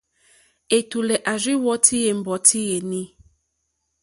Ɛ̀tùlɛ̀ à rzí wɔ́tè ɛ̀mbɔ́tí yèní.